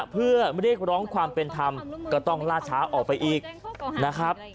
เพื่อเรียกร้องความเป็นธรรมก็ต้องล่าช้าออกไปอีกนะครับ